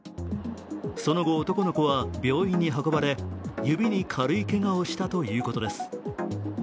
その後、男の子は病院に運ばれ指に軽いけがをしたということです。